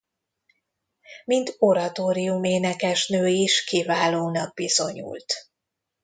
Mint oratórium-énekesnő is kiválónak bizonyult.